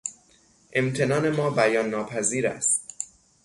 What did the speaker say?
امتنان ما بیان ناپذیر است.